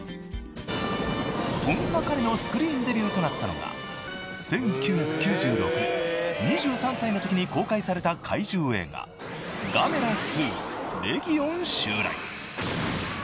［そんな彼のスクリーンデビューとなったのが１９９６年２３歳のときに公開された怪獣映画『ガメラ２レギオン襲来』］